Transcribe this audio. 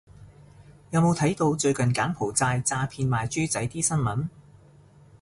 有冇睇到最近柬埔寨詐騙賣豬仔啲新聞